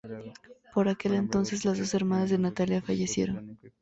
Por aquel entonces, las dos hermanas de Natalia fallecieron.